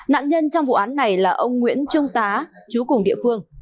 nạn nhân trong vụ án này là ông nguyễn trung tá chú cùng địa phương